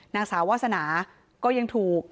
นางสาววาสนาก็ยังถูก